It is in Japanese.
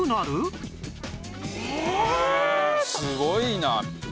すごいな。